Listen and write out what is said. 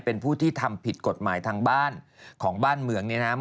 เป็นผู้ที่ทำผิดกฎหมายทางบ้านของบ้านเมืองเนี่ยนะครับ